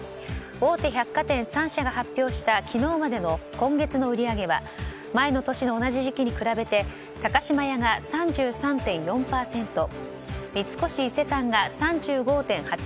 大手百貨店３社が発表した昨日までの今月の売り上げは前の年の同じ時期に比べて高島屋が３３．４％三越伊勢丹が３５．８％